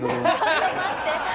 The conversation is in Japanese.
ちょっと待って！